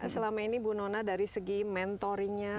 selama ini bu nona dari segi mentoring nya